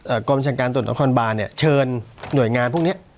เอ่อกรมจังการตรวจต้นคอนบาร์เนี้ยเชิญหน่วยงานพวกเนี้ย